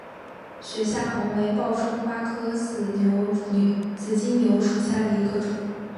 雪下红为报春花科紫金牛属下的一个种。